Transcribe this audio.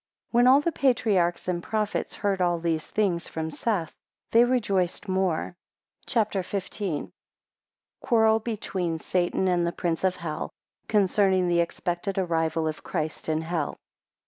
9 When all the patriarchs and prophets heard all these things from Seth, they rejoiced more. CHAPTER XV. 1 Quarrel between Satan and the prince of hell, concerning the expected arrival of Christ in hell.